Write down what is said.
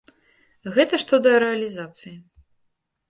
Гэта што да рэалізацыі.